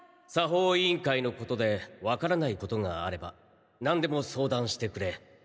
作法委員会のことで分からないことがあれば何でも相談してくれ。